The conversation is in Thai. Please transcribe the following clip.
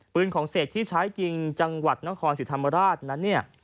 ปืนของเสกที่ใช้ยิงจังหวัดนครศรีธรรมราชนั้นเนี่ย